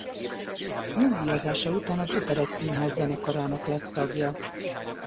Nyugdíjazása után az Operettszínház zenekarának lett tagja.